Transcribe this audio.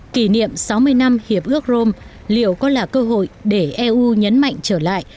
kỷ niệm sáu mươi năm hiệp ước rome liệu có là cơ hội để eu nhấn mạnh trở lại